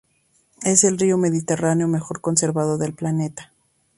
Es el río mediterráneo mejor conservado del planeta.